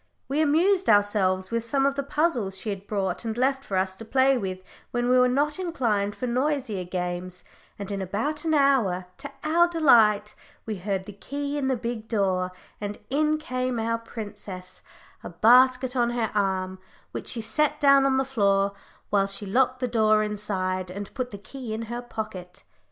We amused ourselves with some of the puzzles she had brought and left for us to play with when we were not inclined for noisier games, and in about an hour, to our delight, we heard the key turn in the big door, and in came our princess, a basket on her arm, which she set down on the floor, while she locked the door inside, and put the key in her pocket.